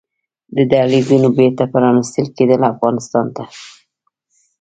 د دهلېزونو بېرته پرانيستل کیدل افغانستان ته